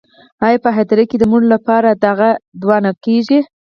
آیا په هدیره کې د مړو لپاره دعا نه کیږي؟